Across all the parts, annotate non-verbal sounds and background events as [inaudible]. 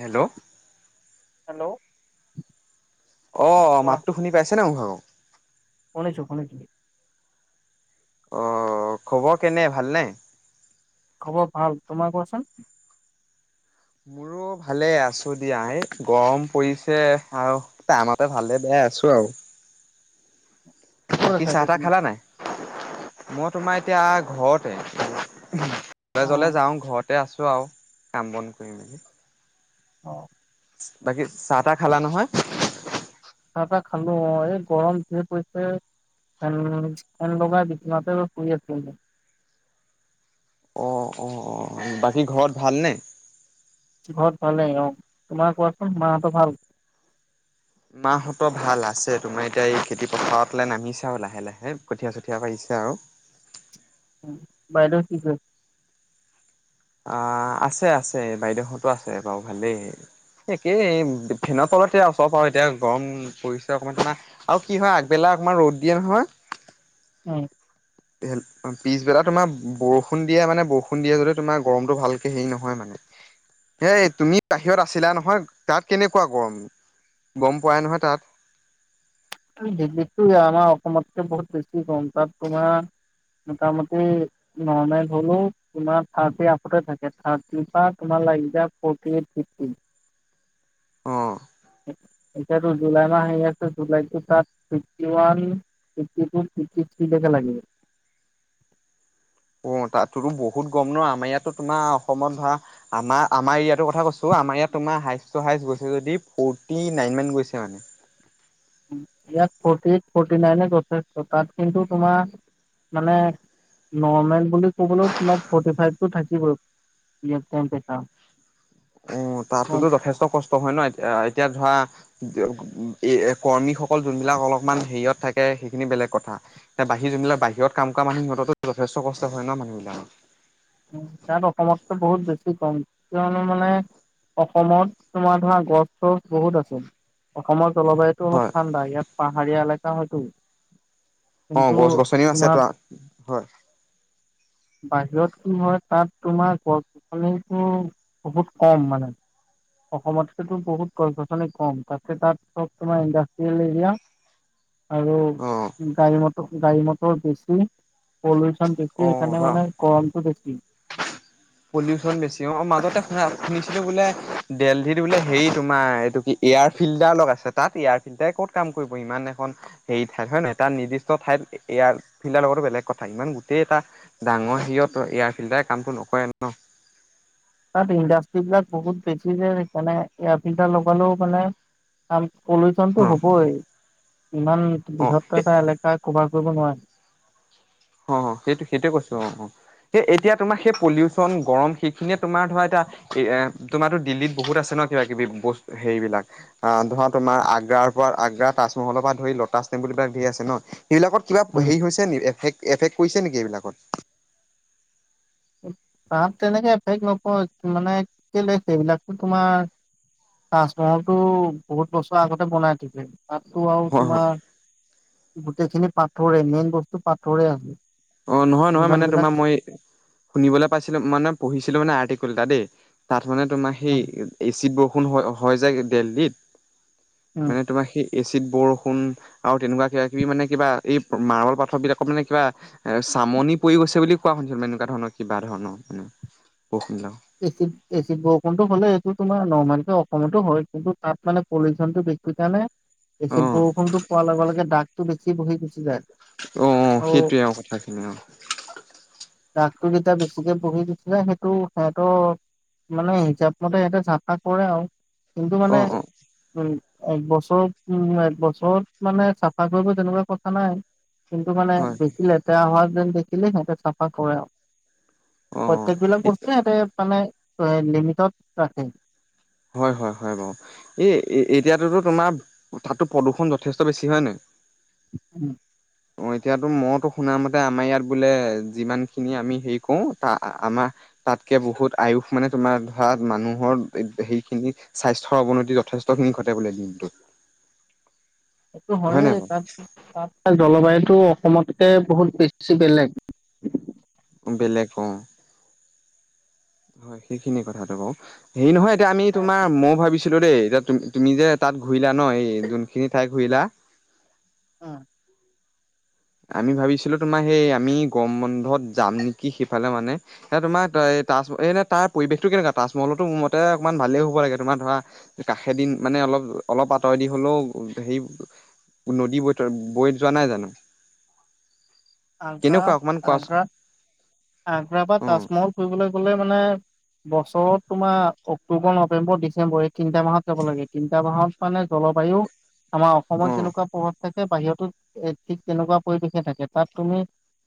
Hello. Hello. অ', কোৱা মাততো শুনি পাইছেনে মোৰ ভাগৰ? [inaudible] শুনিছো, শুনিছো। অ', খবৰ কেনে? ভালনে? খবৰ ভাল। তোমাৰ কোৱাচোন? মোৰো ভালে, আছো দিয়া। এই গৰম পৰিছে আৰু টামতে ভালে-বেয়াই আছো আৰু। ক'ত বাকী আছা এতিয়া চাহ-তাহ তুমি? খালা নাই? মই তোমাৰ এতিয়া ঘৰতে। উ, অ কলেজলে যাওঁ ঘত তে আছো আও কাম-বন কৰি মেলি। অ'। বাকী চাহ-তাহ খালা নহয়? চাহ তাহ খালো অ' এই গৰম যিহে পৰিছে। ফেন-ফেন লগাই বিচনাতে লৈ শুই আছিলো। অ', অ', অ' বাকী ঘৰত ভালনে? ঘৰত ভালেই অ'। তোমাৰ কোৱাচোন মাহঁতৰ ভাল? মাহঁতৰ ভাল আছে। তোমাৰ এতিয়া এই খেতি পথাৱ ফালে নামিছে আও লাহ লাহে, কঠীয়-চঠীয়া পাৰিছে আৰু। বাইদেউ কি কই আ-আছে, আছে বাইদেউহতো আছে বাও ভালেই। একেই এ ফেনৰ তলতে আও চব আও এতিয়া গৰম পৰিছে অকমান না আও কি হয় আগবেলা অকমান ৰ'দ দিয়ে নহয় উ। অ' পিছবেলা তোমাৰ বৰষুণ দিয়ে মানে বৰষুণ দিয়ে যদি তোমাৰ গৰমটো ভালকে হেই নহয় মানে। হেই তুমি বাহিৰত আছিলা নহয় তাত কেনেকুৱা গৰম? গম পোৱাই নহয় তাত আৰে দিল্লীতটো এয়া আমা অসমতকৈ বহুত বেছি কম। তাত তোমা মোটামুটি নৰ্মেল হ'লেও তোমা থাৰ্টী আফতাৰ থাকে, থাৰ্টি তাত তোমা লাগি যায় ফৰ্টি এইট, ফিফটি। অ'। [inaudible] ইয়াতো জুলাই মাহ আহি আছে জুলাইটোত তাত fifty one, fifty two, fifty থ্ৰীলৈকে লাগিব। অ' তাততোটো বহুত গম ন? আমাৰ ইয়াতো তোমাৰ অসমত ধৰা আমাৰ-আমাৰ এৰিয়াটো কথা কৈছো আমাৰ ইয়াত তোমাৰ হাইষ্ট টু হাইষ্ট গৈছে যদি ফৰ্টি নাইন মান গৈছে মানে। ইয়াত ফৰ্টি এইট, ফৰ্টি নাইনে যথেষ্ট। তাত কিন্তু তোমাৰ মানে নৰ্মেল বুলি ক'বলৈ তোমাক ফৰ্টি ফাইভটো থাকিবই ইয়াত টেমপেছা। অ' তাততোটো যথেষ্ট কষ্ট হয় ন? এত-আ এতিয়া ধয়া এ কৰ্মীসকল জোনবিলাক অলপমান হেইয়ত থাকে হেখিনি বেলেগ কথা। তা বাহি জোনবিলাক বাহিৰত কাম কৰা মানুহ সিহঁততো যথেষ্ট কষ্ট হয় ন মানুহবিলাক? তাত অসমতো বহুত বেছি কম কিয়নো মানে অসমত তোমাৰ ধৰা গছ চছ বহুত আছে। অসমত জলবায়ুতো অলপ হয়। ঠাণ্ডা। ইয়াত পাহাৰীয়া এলে টা হয়তো। অ' কিন্তু গছ-গছনিও আছে তোমাৰ তো আ হয়। বাহিৰত কি হয়, তাত তোমাৰ গছ-গছনটো বহুত কম মানে। অসমতকেতো বহুত গছ-গছনি কম। তাতে তাত চব তোমাৰ ইণ্ডাষ্ট্ৰিয়েল এৰিয়া। অ' আৰু গাড়ী মট গাড়ী মটৰ বেছি, পলো চন বেছি অ' হেকাণে ধৰা মানে গৰমতটো বে উ। পলিউচন বেছি অ'। অ' মাজতে শুনা-শুনি হেটো বোলে দেলহিত বোলে হেই তোমাৰ, এটো কি এয়াৰ ফিল্টাৰ লগাইছে। তাত এয়াৰ ফিল্টাৰে ক'ত কাম কৰিব। ইমান এখন হেই ঠাইত হয নহয়? তাত নিৰ্দিষ্ট ঠাইত এ-এয়াৰ ফিল্টাৰ লগোৱাতো বেলেগ কথা। ইমান গোটেই এটা ডাঙৰ হেইয়ত এয়াৰ ফিল্টাৰে কামটো নকৰে ন। তাত ইণ্ডাষ্টিবিলাক বহুত বেছি যে হেকাণে এয়াফিল্টাৰ লগালেও মানে কাম পলিচনটো অ হ'বই। ইমান অ বৃহত্ত এটা এলেকাত। কভাৰ কৰিব নোৱাই। অ', সেইটো-সেইটোৱে কৈছো। অ', এ এতিয়া তোমাৰ সেই পলিউচন, গৰম সেইখিনিয়ে তোমাৰ ধৰা এতিয়া এ তোমাৰো দিল্লীত বহুত আছে ন কিবা-কিবি বস্ত, হেৰি বিলাক আহ ধৰা তোমাৰ আগ্ৰাৰ পৰা আগ্ৰা, তাজমহলৰ পৰা ধৰি লটাছ টেম্পুল পৰা ধৰি ধেই আছে ন সেইবিলাকত কিবা উম হেৰি হৈছে নি? এফেক্ট? এফেক্ট কৰিছে নেকি এইবিলাকত? তাত তেনেকে এফেক্ট নপৰে, মানে কেলে সেইবিলাকটো তোমাৰ তাজমহলতটো বহুত বছৰ আগতে বনাই থাকে। তাততো আৰু হয় হয় তোমাৰ গোটেইখিনি পাথৰে মেইন বস্তু পাথৰে আছে। অ' নহয় নহয় যিমান মানে বিলাক তোমাৰ মই শুনিবলৈ পাইছিলো মানে পঢ়িছিলো মানে আৰ্টিকুল এটা দেই। ধনে তোমাৰ সেই অ', এচিড বস ষূণ হয়-হয় যায় দেল্লীত। উম মানে তোমাৰ সেই এচিত বৰষুণ আৰু তেনেকুৱা কিবা কিবি মানে কিবা এই মাৰ্বল পাথৰ বিলাকক মানে কিবা চামনি পৰি গৈছে বুলি কোৱা শুনিছিলো। এনেকুৱা ধৰণৰ কিবা ধৰণৰ মানে বৰষূণ বিলাক। এচিড-এচিড বৰষুণটো হ'লে এইটো তোমাৰ নৰ্মেলকৈ অসমতো হয় কিন্তু তাত মানে পলিউচনটো বেছি কাৰণে অ এচিদ বৰষুণটো পৰা লগে লগে দাগ টো বেছি বহি গুচি যায়। অ', অ', সেইটোৱে আৰু কথাখিনি আৰু। দাগটো যেতিয়া বেছিকে বহি দিছিলে সেইটো সিহঁতটো মানে হিচাপ মতে সিহঁতে চাফা কৰে আৰু। কিন্তু অ অ মানে উম। এক বছৰত উ এক বছৰত মানে চাফা কৰিব তেনেকুৱা কথা নাই। কিন্তু মানে হয় হয় বেছি লেতেৰা হোৱাত মোক দেখিলে সিহঁতে চাফা কৰে আৰু। অ প্ৰত্যেক বিলাক বস্তু মানে লিমিটত ৰাখে। হয়, হয়, হয় বাৰু। এই এতিয়াততো তোমাৰ তাতো প্ৰদূষণ যথেষ্ট বেছি হয় নাই? উম। অ, এতিয়াতো মইতো শুনা মতে আমাৰ ইয়াত বোলে যিমান খিনি আমি হেৰি কৰো। ত আমাৰ তাতকে বহুত আয়ুস মানে তোমাৰ ধৰা মানুহৰ সেইখিনি স্বাস্থ্যৰ অৱনতি যথেষ্টখিনি ঘটে বোলে দিনটোত। সেইটো হয় নাই হয়েই। বাৰু তাত, তাত জলবায়ু টো অসমতকে বহুত বেছি বেলেগ। বেলেগ অহ '। হয় সেইখিনি কথাটো বাৰু। হেৰি নহয় আমি তোমাৰ মই ভাবিছো ছিলো দেই এতিয়াু তুমি যে তাত ঘূৰিলা ন এই জুনখিনি ঠাইত ঘূৰিল উম। আমি ভাবিছিলো তোমাৰ সেই আমি গম বন্ধত যাম নেকি সেইফালে মানে। এ, তোমাৰ তাজল এই তাৰ পৰিৱেশটো কেনেকুৱা তাজমহলতো মতে অকমান ভালেই হ'ব লাগে তোমাৰ ধৰা কাষে দিন মানে অলপ, অলপ আঁতৰেদি দি হলেও হে, নদী বৈ বৈ যোৱা নাই জানো। আগ্ৰা কেনেকুৱা অকমান কোৱাচোন আগ্ৰত আগ্ৰা বা অ তাজমহল ফুৰিবলৈ গলে মানে বছৰত তোমাৰ অক্টোবৰ নৱেম্বৰ ডিচেম্বৰ এই তিনটা মাহত যাব লাগে, তিনিটা মাহত মানে জলবায়ু আমাৰ অ অসমত যেনেকুৱা প্ৰভাৱ থাকে। বাহিৰতত এ ঠিক তেনেকুৱা পৰিৱেশে থাকে। তাত তুমি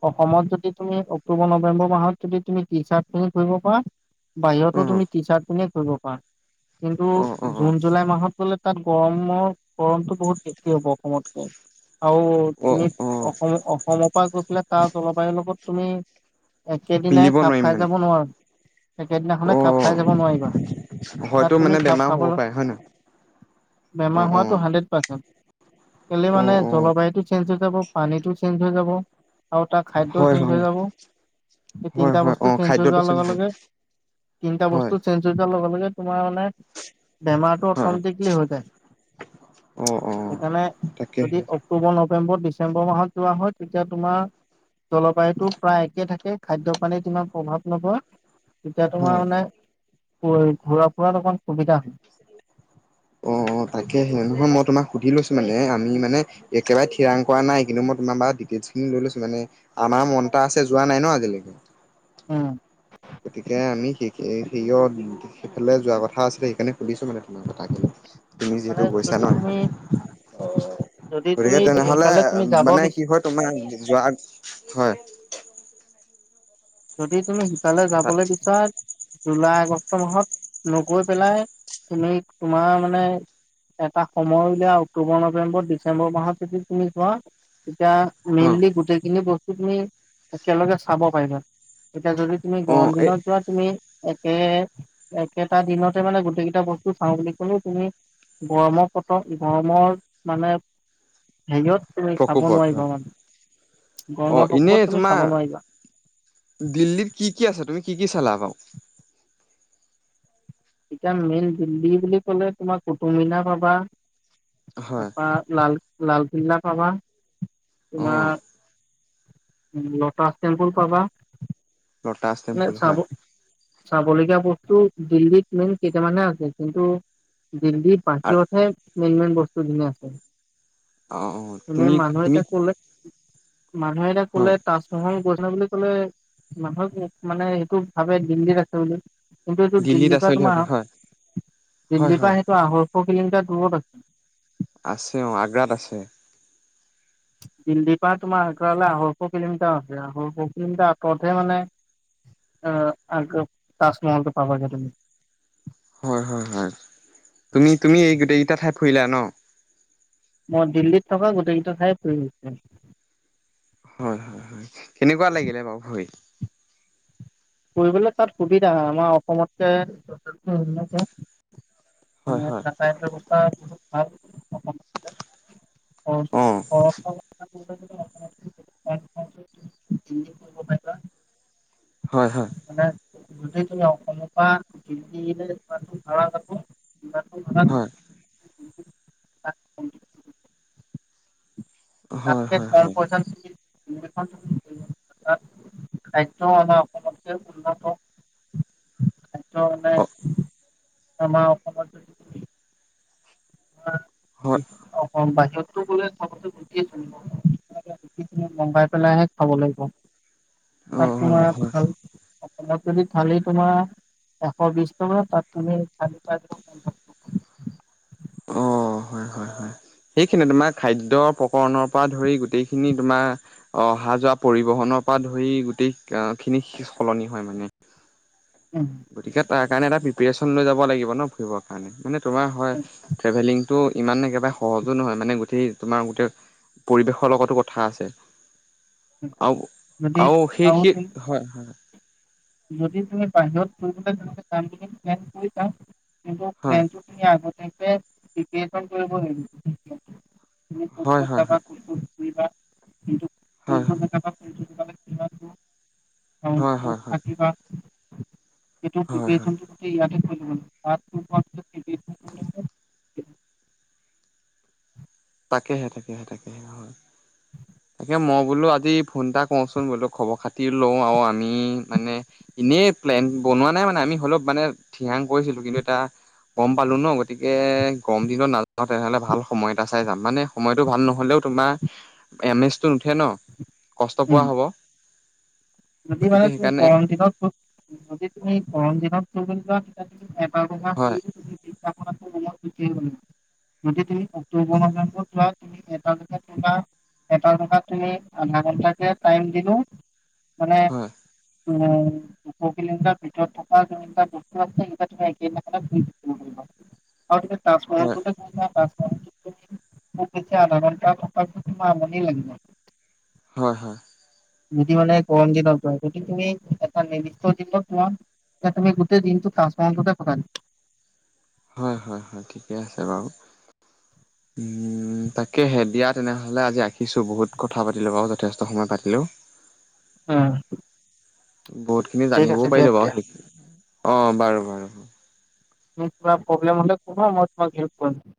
অসমত যদি তুমি অক্টোবৰ নৱেম্বৰ মাহ যদি তুমি টি চাৰ্ট পিন্ধি ফুৰিবা পাৰা বাহিৰতো অ তুমি টি চাৰ্ট পিন্ধিয়ে ফুৰিব পাৰা কিন্তু অ অ জুন জুলাই মাহত গ'লে তাত গৰমৰ গৰমটো বহুত বেছি হ'ব অসমতকে আৰু অ অ তুমি অ অসম অসমৰ পৰা গৈ পেলাই তাৰ জলবায়ুৰ লগত তুমি একেদিনাই মিলিব খাপ নোৱাৰিম খাই মানে যাব নোৱাৰো। একে দিনা অ খনে খাব খাই যাব নোৱাৰিবা। তাত হয়তো তুমি মানে খাপ বেমাৰ হ'ব খাবলৈ পাৰে হয় নহয়। অ বেমাৰ অ হোৱাটো হাণ্ড্ৰেড পাৰ্চেণ্ট আজি অ মানে অ জলবায়ুটো চেঞ্জ হৈ যাব পানীটো চেঞ্জ হৈ যাব। আৰু তাত খাদ্য হয় চেঞ্জ হয় হৈ যাব। [unintelligible] হয় তিনিটা হয় অ বস্তু চেঞ্জ হৈ খাদ্যটো যোৱাৰ লগে হয় লগে তিনিটা হয় বস্তু চেঞ্জ হৈ যোৱাৰ লগে লগে তোমাৰ মানে বেমাৰটো হয় অট'মেটিকেলি হৈ যায়। অ অ সেইকাৰণে যদি তাকেহে অক্টোবৰ নৱে নৱেম্বৰ, ডিচেম্বৰ মাহত যোৱা হয় তেতিয়া তোমাৰ জলবায়ুতটো প্ৰায় ঠিকে থাকে খাদ্য পানীত ইমান প্ৰভাৱ নপৰে। তেতিয়া তোমাৰ হয় মানে ঘূৰা ফুৰাত অকণ সুবিধা হয়। তাকে সেই নহয় মই তোমাক সুধি লৈছো মানে আমি মানে একেবাৰে থিৰাং কৰা নাই কিন্তু মই তোমাৰ ডিটেইলছ খিনি লৈ লৈছো মানে আমাৰ মন এটা আছে যোৱা নাই ন আজিলৈকে। উম। গতিকে আমি স সেয় সেইফালে যোৱা কথা আছিলে সেইকাৰণে সুধিছো মানে তোমাৰ কথাখিনি। তুমি যিহেতু মানে গৈছা যদি ন তুমি সেইে যদি গতিকে তুমি তেনেহলে সিফালে তুমি যাব মানে বিচ কি হয় তোমাৰ যোৱা হয়। যদি তুমি সিফালে যাবলৈ বিচৰা জুলাই আগষ্ট মাহত নগৈ পেলাই তুমি তোমাৰ মানে এটা সময় উলিয়া অক্টোবৰ নৱেম্বৰ ডিচেম্বৰ মাহত যদি তুমি যোৱা তেতিয়া অ মেইনলি গোটেইখিনি বস্তু তুমি একেলগে চাব পাৰিবা। এতিয়া যদি তুমি অ গৰম এই দিনত যোৱা তুমি একে একেটা দিনতে মানে গোটেই কেইটা বস্তু চাওঁ বুলি কলেও তুমি গৰমৰ পত গৰমৰ মানে হেৰিত তুমি চাব প্ৰকোপত নোৱাৰিবা হয় মানে। অ গৰমৰ এনেই প্ৰকোপত তুমি তোমাৰ চাব নোৱাৰিবা। দিল্লীত কি কি আছে তুমি কি কি চালা বাও। এতিয়া মেইন দিল্লী বুলি কলে তোমাৰ কুটুমনা পাবা হয় তাপা লাল লালকিল্লা, পাবা অ তোমাৰ লটাছ টেম্পুল পাবা লটাছ মানে টেম্পুল চাব হয়। চাবলগীয়া বস্তু দিল্লীত মেইন কেইটামানহে আছে। কিন্তু দিল্লী পাঁচ অ কথা মেইন মেইন বস্তু। ধুনীয়া আছে। অ অ মানে তুমি তুমি মানুহ এটা ক'লে হয় তাজমহল কত আছে বুলি ক'লে নহয় যে মানে সেইটো ভাবে দিল্লীত আছে বুলি। কিন্তু এইটো দিল্লীত দিল্লীৰ আছে পৰা বুলি তোমাৰ ভাবে আহ হয় হয় দিল্লীৰ পৰা হয় সেইটো আহ ফ'ৰ কিলোমিটাৰ দূৰত আছিল আছে অ আগ্ৰাত আছে। দিল্লীৰ পৰা তোমাৰ আগ্ৰালৈ আঢ়ৈশ কিলোমিটাৰ আছে আঢ়ৈশ কিলোমিটাৰ আঁতৰতহে মানে অ আগ তাজমহলটো পাবাগে তুমি। হয় হয় হয় তুমি তুমি এই গোটকেইটা ঠাই ফুৰিলা ন? মই দিল্লীত থকা গোটেইকেইটা ঠাই ফুৰিছোঁ। হয় হয় হয় কেনেকুৱা লাগিলে বাৰু ফুৰি? ফুৰিবলৈ তাত সুবিধা আমাৰ অসমত কে যথেষ্ট উন্নতে হয় মানে হয় যাতায়ত ব্যৱস্থা অ [unintelligible] হয় হয়। গোটেই তোমাৰ অসমৰ পৰা দিল্লীলে যিমান তিনি ভাৰা যাব সিমানখন ভাৰাত হয় হয় তাতকে হয় কম হয় পইচাত তুমি [unintelligible] কাৰ্য আমাৰ অসমতকে উন্নত [unintelligible] ত মানে অ আমাৰ অসমত যদি তুমি তোমাৰ হয় অসম বাহিৰত [unintelligible] মগাই পেলাইহে খাব লাগিব অ তাত অ তোমাৰ হয় ভাল অলপ যদি থালি তোমাৰ এশ বিশ টকা তাত তুমি থালি পাই যাবা পঞ্চাছ টকাত। অ হয় হয় হয় সেইখিনি তোমাৰ খাদ্য প্ৰকৰণৰ পৰা ধৰি গোটেইখিনি তোমাৰ অহা যোৱা পৰিবহনৰ পৰা ধৰি গোটেই খিনি সলনি হয় মানে। গতিকে তাৰ কাৰণে এটা প্ৰিয়েৰশ্যন লৈ যাব লাগিব ন ফুৰিৰ কাৰণে মানে তোমাৰ হয় ট্ৰেভেলিং টো ইমান একেবাৰে সহজো নহয় মানে গোটেই তোমাৰ গোটেই পৰিৱেশৰ লগতো কথা আছে। আও, যদি আও সেই আৰু সেই, তুমি হয় হয়। যদি তুমি বাহিৰত ফুৰিবলে যাম বুলি প্লেন কৰিছা কিন্ত প্লেনটো তুমি আগতে [unintelligible] তুমি কোন কোন জেগাত হয় ক'ত হয় হয় ক'ত ঘুৰিবা কিন্তু হয় হয় [unintelligible] [unintelligible] হয় হয় হয়। ক [inaudible] হয় হয় [inaudible] তাকেহে তাকেহে তাকে হয় তাকে মই বোলো আজি ফোন এটা কওঁচোন বোলো খবৰ খাতি লওঁ আৰু আমি মানে এনেই প্লেন বনোৱা নাই মানে আমি হলপ মানে থিয়ং কৰিছিলো কিন্তু এটা গম পালো ন গতিকে গৰম দিনত নাযাওঁ তেনেহলে ভাল সময়। টা চাই যাম মানে সময়টো ভাল নহ'লেও তোমাৰ এম এছটো নুঠে ন কষ্ট পোৱা হ'ব। ন মানে গতিকে তুমি সেইকাৰণে কন দনা ন তুমি গৰম দিনত ব হয় শুনাটোত যদি তুমি উত্তৰব যোৱা তুমি এটা জেগাত কা এটা জেগাত তুমি আধা ঘণ্টাকে টাইম দিলো। মানে হয় দুশৰ কিলোমিটাৰ ভিতৰত থকা যেনেিবা বস্তু আছে সেই একি আৰু অ হয় আধাৰ থকা তমাম আমনি লাগিব। হয় হয়! যদি মানে গৰম দিনত যোৱা গক তুমি এটা নিৰ্দিষ্ট দিনত যমোৱা তুমি গোটেই দিনটোফতে প হয় হয় হয় ঠিকে আছে বাৰু তাকে দিয়ানেহ আজছো বহু পাতিললো আহ! বহুত খিনি জানিবও পাৰিলো বাৰু সেই, অ বাৰু বাৰু প্ৰব্লেম মোক কোৱা মই হহেলপ কৰিম।